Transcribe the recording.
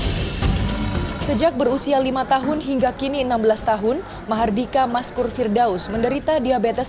hai sejak berusia lima tahun hingga kini enam belas tahun mahardika maskur firdaus menderita diabetes